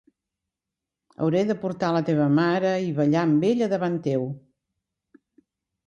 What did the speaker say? Hauré de portar la teva mare i ballar amb ella davant teu.